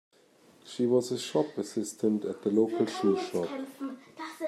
She was a shop assistant at the local shoe shop